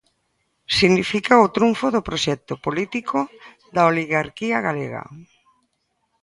Significa o trunfo do proxecto político da oligarquía galega.